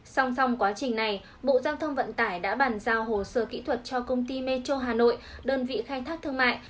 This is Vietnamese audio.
song song quá trình này bộ giao thông vận tải đã bàn giao hồ sơ kỹ thuật cho công ty metro hà nội đơn vị khai thác thương mại